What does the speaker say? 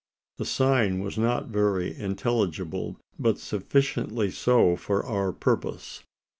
The sign was not very intelligible, but sufficiently so for our purpose.